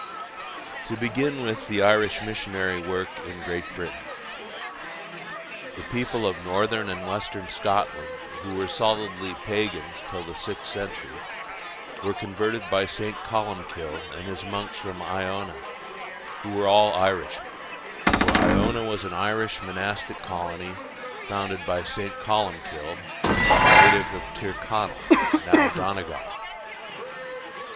To begin with the Irish missionary work in Great Britain. The people of Northern and Western Scotland, who were solidly pagan till the sixth century, were converted by St. Columkille and his monks from Iona, who were all Irishmen; for Iona was an Irish monastic colony founded by St. Columkille, a native of Tirconnell, now Donegal.